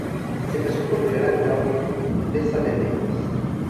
Se casó con Yolanda I, Condesa de Nevers.